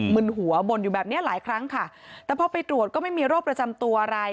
ึนหัวบ่นอยู่แบบเนี้ยหลายครั้งค่ะแต่พอไปตรวจก็ไม่มีโรคประจำตัวอะไร